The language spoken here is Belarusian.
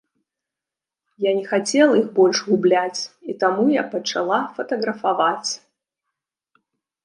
Я не хацела іх больш губляць, і таму я пачала фатаграфаваць.